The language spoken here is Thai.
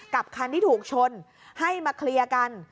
กับคันที่ถูกชนให้มาเคลียร์กัน